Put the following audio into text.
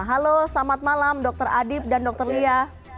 halo selamat malam dr adib dan dr lia